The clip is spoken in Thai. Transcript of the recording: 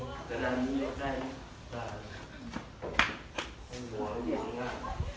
ตอนนี้ก็ไม่มีเวลาให้กลับไปแต่ตอนนี้ก็ไม่มีเวลาให้กลับไป